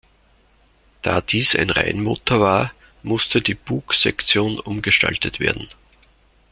Da dies ein Reihenmotor war, musste die Bugsektion umgestaltet werden.